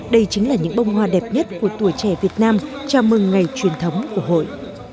đây chính là những bông hoa đẹp nhất của tuổi trẻ việt nam chào mừng ngày truyền thống của hội